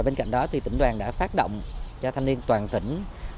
bên cạnh đó tỉnh đoàn đã phát động cho thanh niên toàn tỉnh